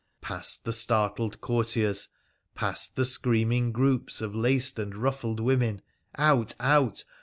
Past the startled courtiers — past the screaming groups of laced and ruffled women — out ! out